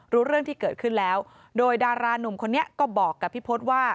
รู้เรื่องที่เกิดขึ้นแล้วโดยดารานุ่มคนนี้ก็บอกกับพี่พศว่า